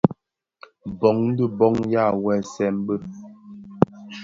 Bông di bông yàa weesën bi.